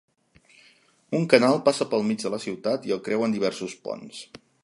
Un canal passa pel mig de la ciutat i el creuen diversos ponts.